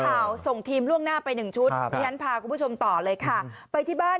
ส่งทีมล่วงหน้าไปหนึ่งชุดดิฉันพาคุณผู้ชมต่อเลยค่ะไปที่บ้าน